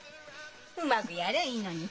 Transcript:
うまくやりゃいいのに。